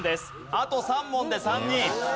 あと３問で３人。